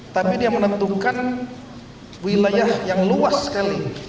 tapi dia menentukan wilayah yang luas sekali